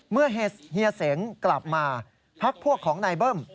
เฮียเสงกลับมาพักพวกของนายเบิ้ม